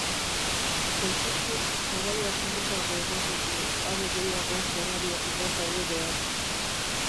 Koltxoitik sabaiak urrunago ematen du, are gehiago zorabiatuta zaudenean.